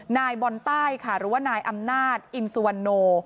นายบอลใต้ค่ะหรือว่านายอำนาจอินสุวรรณโน